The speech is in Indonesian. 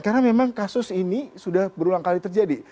karena memang kasus ini sudah berulang kali terjadi